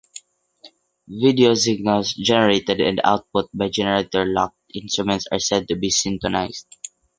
Video signals generated and output by generator-locked instruments are said to be syntonized.